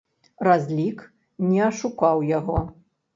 Разлік не ашукаў яго.